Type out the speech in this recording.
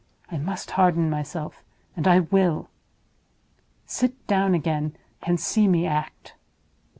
"I must harden myself—and I will! Sit down again and see me act."